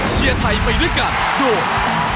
เชียร์ไทยไปด้วยกันโดย